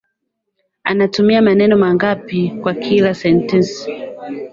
Anatumia maneno mangapi kwa kila sentensi